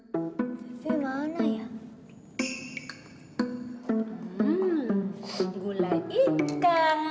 peerseeeeeeempuh di luar vlog aku sekarang juga